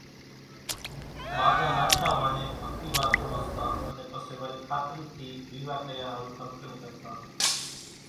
ماڳان ناڇا وانهين پڪِي وات ۿمزتان، انين پسيَ وريَ کاترِي ٿِي ويوا ڪريا ۿارُو ۿٻڪڻ ڪرتان۔